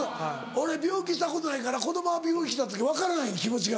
俺病気したことないから子供が病気した時分からない気持ちが。